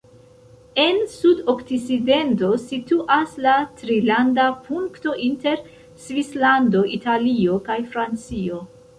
En sudokcidento situas la trilanda punkto inter Svislando, Italio kaj Francio.